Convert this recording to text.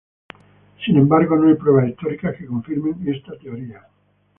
Sin embargo, no hay pruebas históricas que confirmen esta teoría.